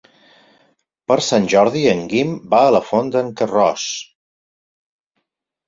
Per Sant Jordi en Guim va a la Font d'en Carròs.